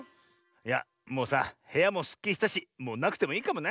いやもうさへやもすっきりしたしもうなくてもいいかもな。